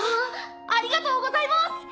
ありがとうございます！